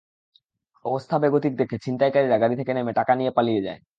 অবস্থা বেগতিক দেখে ছিনতাইকারীরা গাড়ি থেকে নেমে টাকা নিয়ে পালিয়ে যায়।